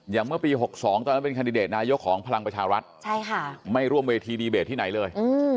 เมื่อปี๖๒ตอนนั้นเป็นคันดิเดตนายกของพลังประชารัฐไม่ร่วมเวทีดีเบตที่ไหนเลย